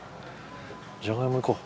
じゃがいもいこう。